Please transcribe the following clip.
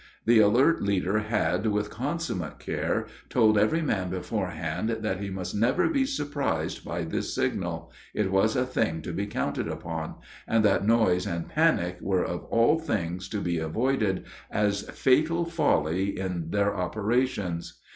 The alert leader had, with consummate care, told every man beforehand that he must never be surprised by this signal, it was a thing to be counted upon, and that noise and panic were of all things to be avoided as fatal folly in their operations.